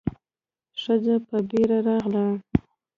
ښځه په بيړه راغله.